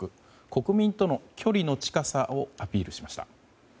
国民との距離の近さをアピールしました。